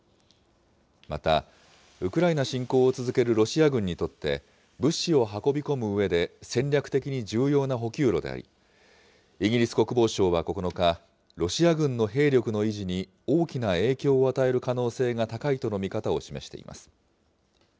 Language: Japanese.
また、ウクライナ侵攻を続けるロシア軍にとって、物資を運び込むうえで戦略的に重要な補給路であり、イギリス国防省は９日、ロシア軍の兵力の維持に大きな影響を与える可能性が高いとの見方を示しています。